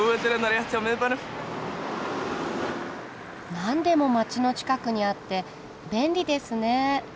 何でも街の近くにあって便利ですね。